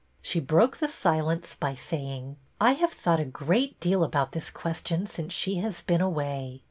She broke the silence by saying: I have thought a great deal about this ques tion since she has been away.